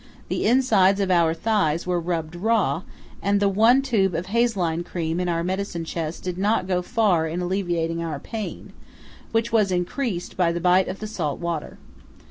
The insides of our thighs were rubbed raw, and the one tube of Hazeline cream in our medicine chest did not go far in alleviating our pain, which was increased by the bite of the salt water.